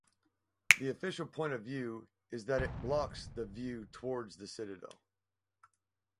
The official point of view is that it blocks the view towards the citadel.